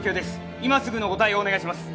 今すぐのご対応をお願いします。